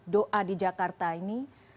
doa di jakarta ini